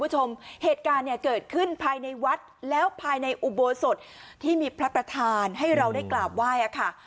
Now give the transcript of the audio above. เหตุการณ์เกิดขึ้นภายในวัดแล้วภายในอุโบสถที่มีพระประธานให้เราได้กราบไหว้